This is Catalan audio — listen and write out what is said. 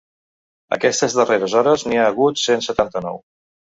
Aquestes darreres hores n’hi ha hagut cent setanta-nou.